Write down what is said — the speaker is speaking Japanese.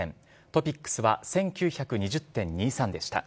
トピックスは１９２０．２３でした。